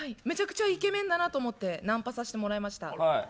めちゃくちゃイケメンだなと思ってナンパさせてもらいました。